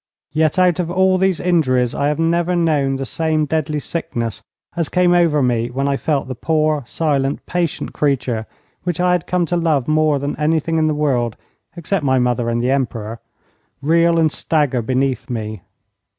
Yet out of all these injuries I have never known the same deadly sickness as came over me when I felt the poor, silent, patient creature, which I had come to love more than anything in the world except my mother and the Emperor, reel and stagger beneath me.